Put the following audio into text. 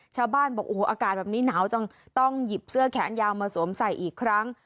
ชาวบ้านบอกโอ้โหอากาศแบบนี้หนาวจังต้องหยิบเสื้อแขนยาวมาสวมใส่อีกครั้ง